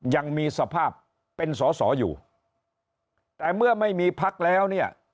ยังมีสภาพเป็นสอสออยู่แต่เมื่อไม่มีพักแล้วเนี่ย